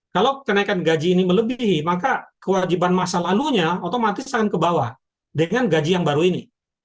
kalau kenaikan gaji ini melebihi maka kewajiban masa lalunya otomatis akan ke bawah dengan gaji yang baru ini